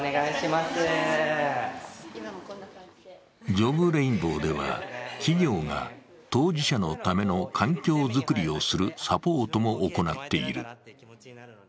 ＪｏｂＲａｉｎｂｏｗでは、企業が当事者のための環境作りをするサポートも行っている。